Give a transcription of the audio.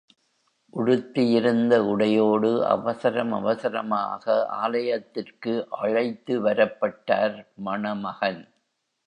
உடுத்தியிருந்த உடையோடு, அவசரம் அவசரமாக ஆலயத்துக்கு அழைத்துவரப்பட்டார் மணமகன்.